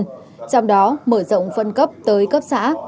trong đó mở rộng phân cấp tới cấp xã